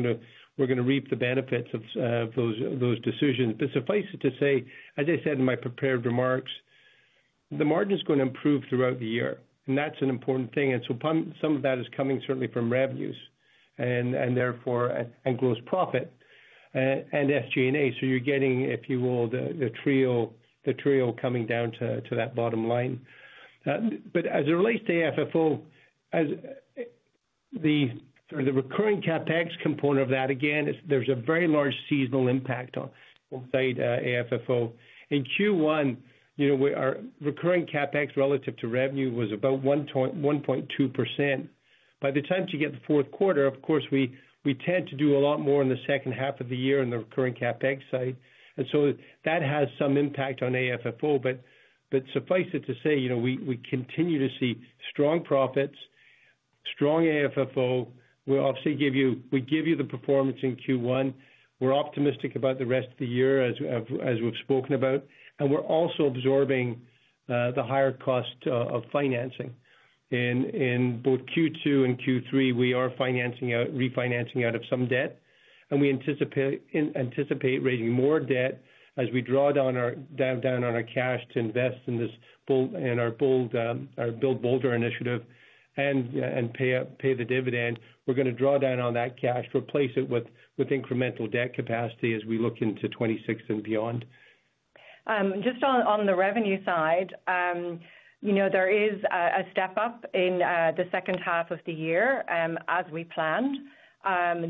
going to reap the benefits of those decisions. Suffice it to say, as I said in my prepared remarks, the margin is going to improve throughout the year. That is an important thing. Some of that is coming certainly from revenues and gross profit and SG&A. You're getting, if you will, the trio coming down to that bottom line. As it relates to AFFO, the recurring CapEx component of that, again, there's a very large seasonal impact on side AFFO. In Q1, our recurring CapEx relative to revenue was about 1.2%. By the time you get the fourth quarter, of course, we tend to do a lot more in the second half of the year on the recurring CapEx side. That has some impact on AFFO. Suffice it to say, we continue to see strong profits, strong AFFO. We'll obviously give you the performance in Q1. We're optimistic about the rest of the year, as we've spoken about. We're also absorbing the higher cost of financing. In both Q2 and Q3, we are refinancing out of some debt. We anticipate raising more debt as we draw down on our cash to invest in our Build Bolder initiative and pay the dividend. We're going to draw down on that cash, replace it with incremental debt capacity as we look into 2026 and beyond. Just on the revenue side, there is a step-up in the second half of the year as we planned.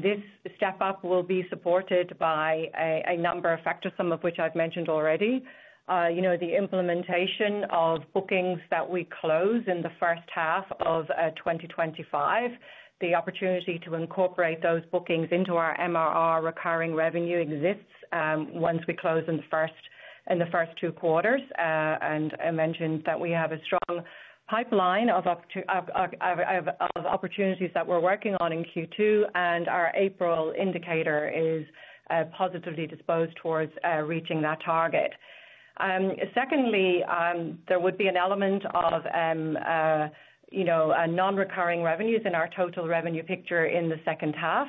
This step-up will be supported by a number of factors, some of which I've mentioned already. The implementation of bookings that we close in the first half of 2025, the opportunity to incorporate those bookings into our MRR recurring revenue exists once we close in the first two quarters. I mentioned that we have a strong pipeline of opportunities that we're working on in Q2, and our April indicator is positively disposed towards reaching that target. Secondly, there would be an element of non-recurring revenues in our total revenue picture in the second half.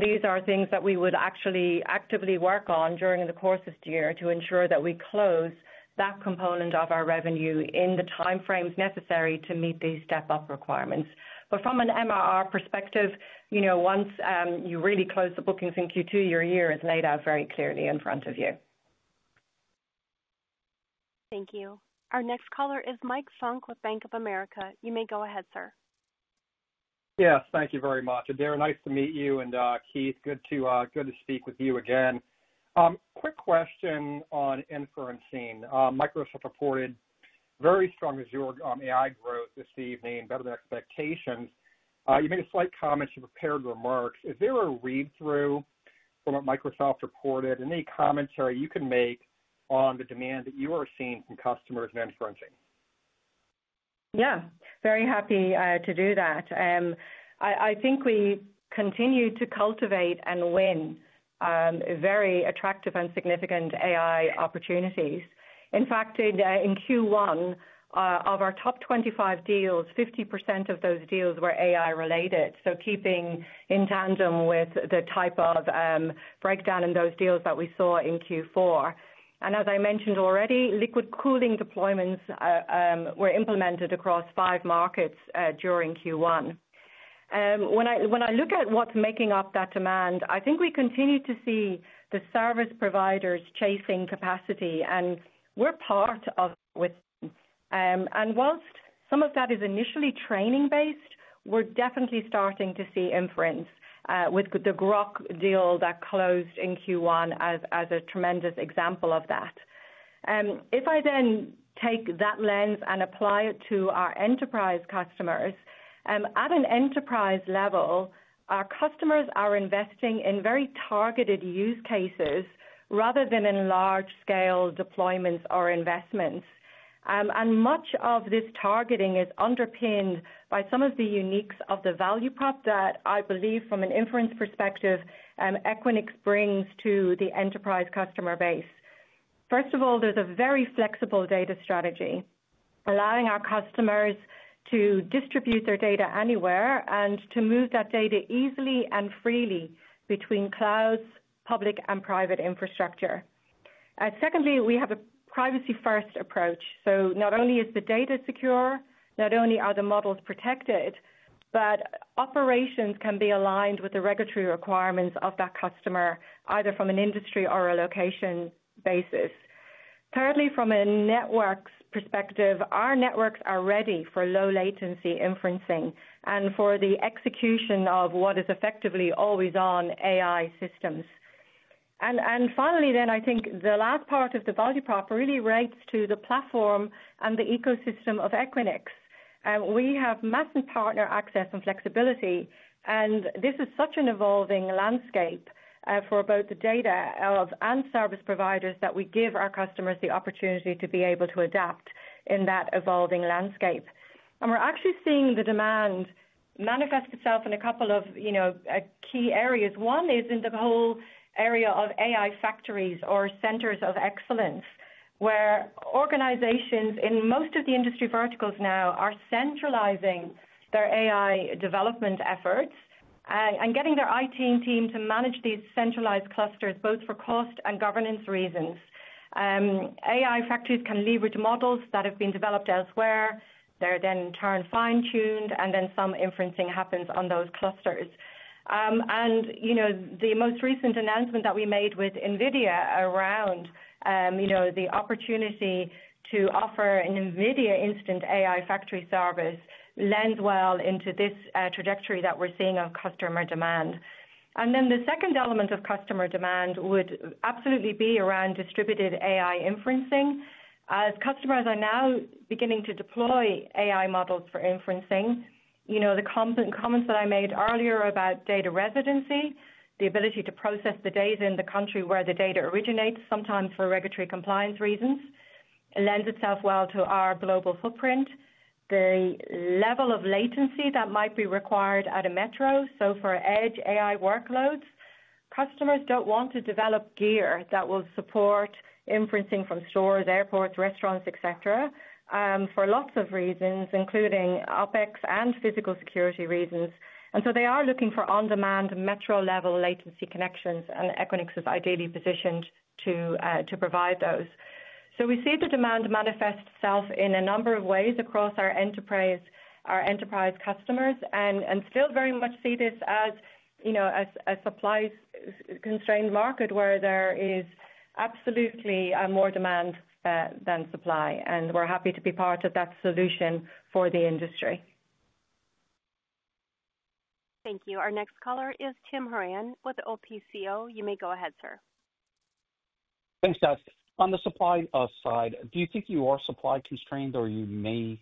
These are things that we would actually actively work on during the course of the year to ensure that we close that component of our revenue in the timeframes necessary to meet these step-up requirements. From an MRR perspective, once you really close the bookings in Q2, your year is laid out very clearly in front of you. Thank you. Our next caller is Mike Funk with Bank of America. You may go ahead, sir. Yes, thank you very much. Adaire, nice to meet you. Keith, good to speak with you again. Quick question on inferencing. Microsoft reported very strong result on AI growth this evening, better than expectations. You made a slight comment to prepared remarks. Is there a read-through from what Microsoft reported and any commentary you can make on the demand that you are seeing from customers and inferencing? Yeah, very happy to do that. I think we continue to cultivate and win very attractive and significant AI opportunities. In fact, in Q1 of our top 25 deals, 50% of those deals were AI-related. Keeping in tandem with the type of breakdown in those deals that we saw in Q4. As I mentioned already, liquid cooling deployments were implemented across five markets during Q1. When I look at what's making up that demand, I think we continue to see the service providers chasing capacity. We are part of it. Whilst some of that is initially training-based, we're definitely starting to see inference with the Grok deal that closed in Q1 as a tremendous example of that. If I then take that lens and apply it to our enterprise customers, at an enterprise level, our customers are investing in very targeted use cases rather than in large-scale deployments or investments. Much of this targeting is underpinned by some of the uniques of the value prop that I believe from an inference perspective, Equinix brings to the enterprise customer base. First of all, there's a very flexible data strategy, allowing our customers to distribute their data anywhere and to move that data easily and freely between clouds, public, and private infrastructure. Secondly, we have a privacy-first approach. Not only is the data secure, not only are the models protected, but operations can be aligned with the regulatory requirements of that customer, either from an industry or a location basis. Thirdly, from a network's perspective, our networks are ready for low-latency inferencing and for the execution of what is effectively always-on AI systems. Finally, I think the last part of the value prop really relates to the platform and the ecosystem of Equinix. We have massive partner access and flexibility. This is such an evolving landscape for both the data and service providers that we give our customers the opportunity to be able to adapt in that evolving landscape. We are actually seeing the demand manifest itself in a couple of key areas. One is in the whole area of AI factories or centers of excellence, where organizations in most of the industry verticals now are centralizing their AI development efforts and getting their IT team to manage these centralized clusters, both for cost and governance reasons. AI factories can leverage models that have been developed elsewhere. They're then turned, fine-tuned, and then some inferencing happens on those clusters. The most recent announcement that we made with NVIDIA around the opportunity to offer an NVIDIA Instant AI Factory service lends well into this trajectory that we're seeing of customer demand. The second element of customer demand would absolutely be around distributed AI inferencing. As customers are now beginning to deploy AI models for inferencing, the comments that I made earlier about data residency, the ability to process the data in the country where the data originates, sometimes for regulatory compliance reasons, lends itself well to our global footprint. The level of latency that might be required at a metro, so for edge AI workloads, customers do not want to develop gear that will support inferencing from stores, airports, restaurants, etc., for lots of reasons, including OPEX and physical security reasons. They are looking for on-demand metro-level latency connections, and Equinix is ideally positioned to provide those. We see the demand manifest itself in a number of ways across our enterprise customers and still very much see this as a supply-constrained market where there is absolutely more demand than supply. We are happy to be part of that solution for the industry. Thank you. Our next caller is Tim Horan with OPCO. You may go ahead, sir. Thanks, Jess. On the supply side, do you think you are supply-constrained or you may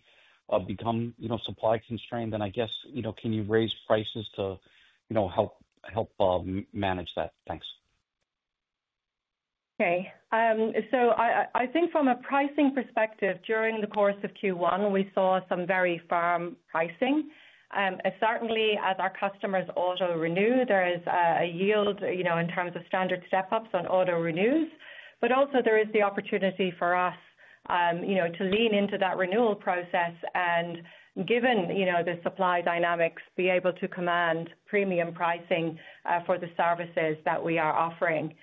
become supply-constrained? I guess, can you raise prices to help manage that? Thanks. Okay. I think from a pricing perspective, during the course of Q1, we saw some very firm pricing. Certainly, as our customers auto-renew, there is a yield in terms of standard step-ups on auto-renews. Also, there is the opportunity for us to lean into that renewal process and, given the supply dynamics, be able to command premium pricing for the services that we are offering.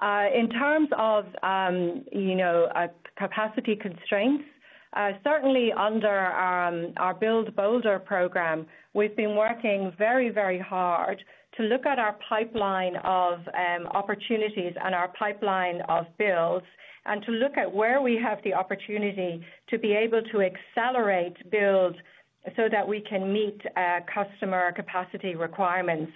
In terms of capacity constraints, certainly under our Build Bolder program, we've been working very, very hard to look at our pipeline of opportunities and our pipeline of builds and to look at where we have the opportunity to be able to accelerate builds so that we can meet customer capacity requirements.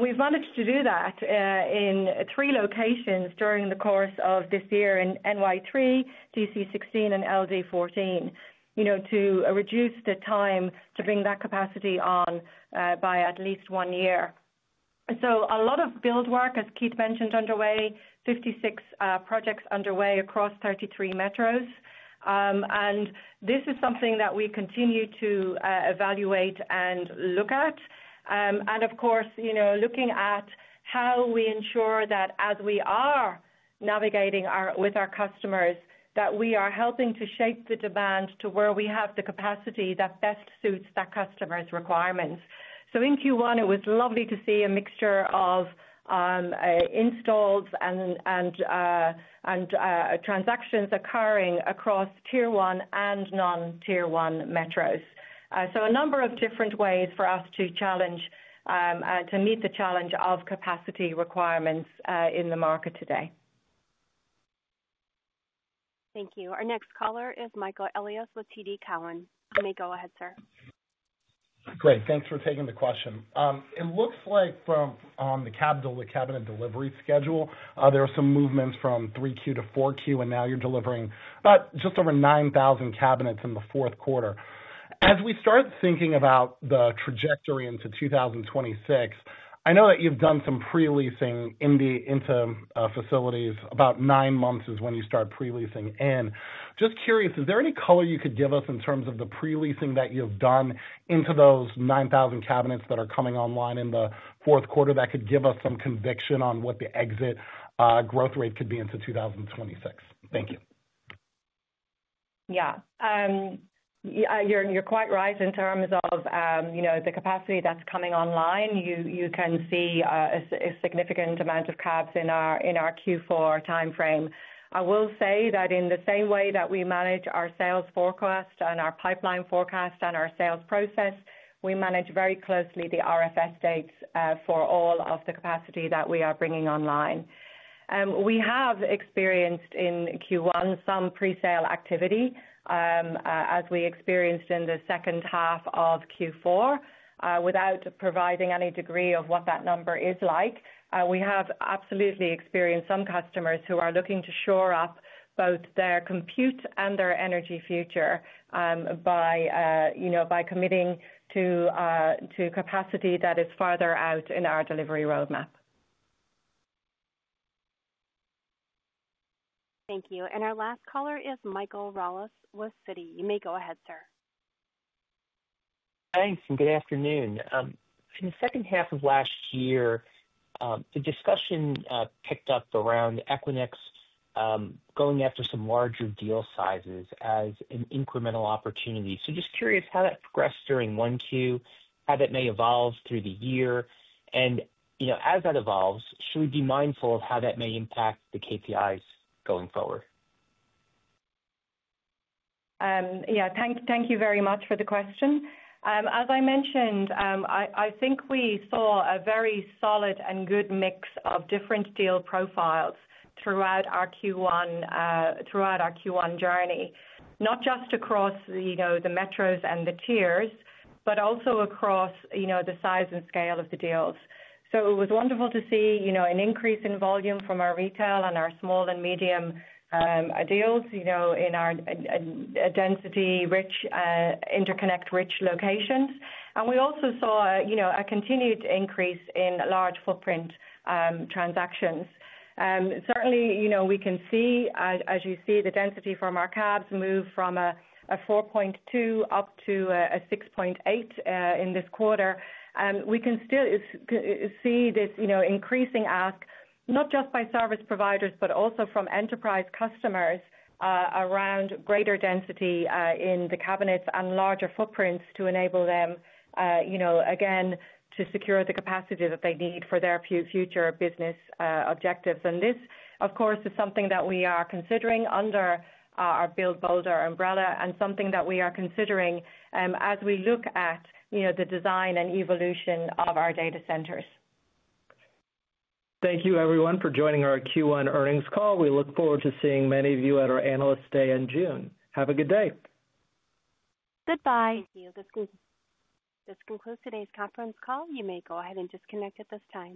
We've managed to do that in three locations during the course of this year in NY3, DC16, and LD14 to reduce the time to bring that capacity on by at least one year. A lot of build work, as Keith mentioned, is underway, 56 projects underway across 33 metros. This is something that we continue to evaluate and look at. Of course, looking at how we ensure that as we are navigating with our customers, we are helping to shape the demand to where we have the capacity that best suits that customer's requirements. In Q1, it was lovely to see a mixture of installs and transactions occurring across tier one and non-tier one metros. A number of different ways for us to meet the challenge of capacity requirements in the market today. Thank you. Our next caller is Michael Elliott with TD Cowen. You may go ahead, sir. Great. Thanks for taking the question. It looks like on the cabinet delivery schedule, there are some movements from 3Q to 4Q, and now you're delivering about just over 9,000 cabinets in the fourth quarter. As we start thinking about the trajectory into 2026, I know that you've done some pre-leasing into facilities. About nine months is when you start pre-leasing in. Just curious, is there any color you could give us in terms of the pre-leasing that you've done into those 9,000 cabinets that are coming online in the fourth quarter that could give us some conviction on what the exit growth rate could be into 2026? Thank you. Yeah. You're quite right in terms of the capacity that's coming online. You can see a significant amount of cabs in our Q4 timeframe. I will say that in the same way that we manage our sales forecast and our pipeline forecast and our sales process, we manage very closely the RFS dates for all of the capacity that we are bringing online. We have experienced in Q1 some presale activity as we experienced in the second half of Q4. Without providing any degree of what that number is like, we have absolutely experienced some customers who are looking to shore up both their compute and their energy future by committing to capacity that is farther out in our delivery roadmap. Thank you. Our last caller is Michael Rawless with Citi. You may go ahead, sir. Thanks. Good afternoon. In the second half of last year, the discussion picked up around Equinix going after some larger deal sizes as an incremental opportunity. Just curious how that progressed during one Q, how that may evolve through the year. As that evolves, should we be mindful of how that may impact the KPIs going forward? Yeah. Thank you very much for the question. As I mentioned, I think we saw a very solid and good mix of different deal profiles throughout our Q1 journey, not just across the metros and the tiers, but also across the size and scale of the deals. It was wonderful to see an increase in volume from our retail and our small and medium deals in our density-rich, interconnect-rich locations. We also saw a continued increase in large footprint transactions. Certainly, we can see, as you see, the density from our cabs move from a 4.2 up to a 6.8 in this quarter. We can still see this increasing ask, not just by service providers, but also from enterprise customers around greater density in the cabinets and larger footprints to enable them, again, to secure the capacity that they need for their future business objectives. This, of course, is something that we are considering under our Build Bolder umbrella and something that we are considering as we look at the design and evolution of our data centers. Thank you, everyone, for joining our Q1 earnings call. We look forward to seeing many of you at our analyst day in June. Have a good day. Goodbye. Thank you. This concludes today's conference call. You may go ahead and disconnect at this time.